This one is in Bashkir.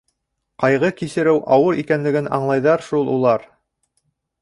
Ҡайғы кисереү ауыр икәнлеген аңлайҙар шул улар.